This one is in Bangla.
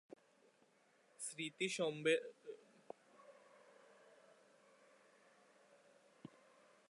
স্মৃতিস্তম্ভের উপরের অংশটি চারটি ছোট মিনার এবং একটি বৃহৎ গোল গম্বুজ রয়েছে।